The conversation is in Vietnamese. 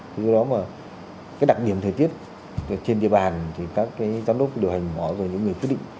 thế đó mà cái đặc điểm thời tiết trên địa bàn thì các cái giám đốc điều hành mỏ rồi những người quyết định